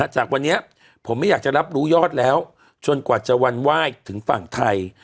จากวันนี้ผมไม่อยากจะรับรู้ยอดแล้วจนกว่าจะวันไหว้ถึงฝั่งไทย